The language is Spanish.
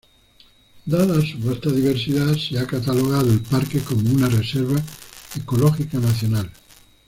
Dada su vasta diversidad, se ha catalogado el parque como una reserva ecológica nacional.